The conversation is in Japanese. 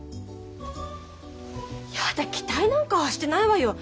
やだ期待なんかしてないわよ。